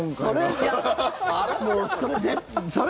もうね、それ。